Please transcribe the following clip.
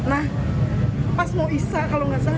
nah pas mau isa kalau gak sah